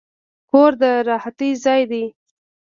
کور د راحتي ځای دی.